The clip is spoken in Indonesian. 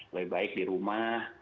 lebih baik di rumah